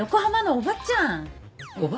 おばちゃん！？